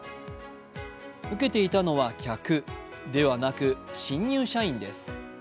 受けていたのは客ではなく新入社員です。